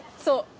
そう。